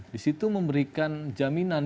di situ memberikan jaminan